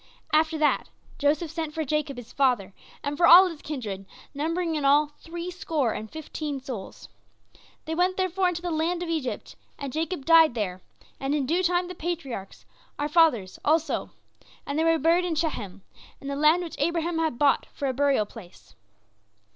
After that, Joseph sent for Jacob his father, and for all his kindred, numbering in all three score and fifteen souls. They went therefore into the land of Egypt, and Jacob died there, and in due time the patriarchs, our fathers, also; and they were buried in Shechem, in the land which Abraham had bought for a burial place.